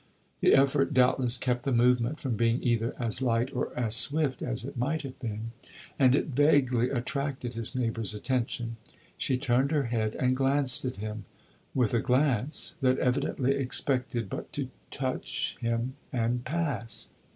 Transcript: The effort, doubtless, kept the movement from being either as light or as swift as it might have been, and it vaguely attracted his neighbor's attention. She turned her head and glanced at him, with a glance that evidently expected but to touch him and pass.